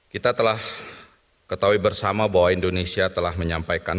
kita telah ketahui bersama bahwa indonesia telah menyampaikan